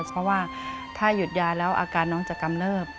เพราะว่าถ้าหยุดยาแล้วอาการน้องจะกำเนิบ